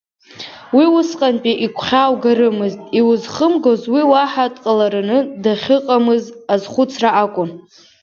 Уи усҟатәи игәхьааугарымызт, иузхымгоз уи уаҳа дҟалары дахьыҟамыз азхәыцра акәын.